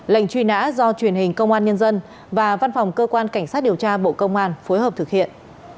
lệnh truy nã do truyền hình công an nhân dân và văn phòng cơ quan cảnh sát điều tra bộ công an phối hợp thực hiện